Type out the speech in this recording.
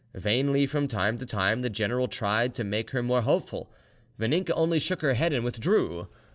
Vainly from time to time the general tried to make her more hopeful. Vaninka only shook her head and withdrew.